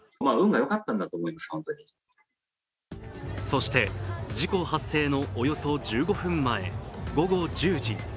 そして、事故発生のおよそ１５分前午後１０時。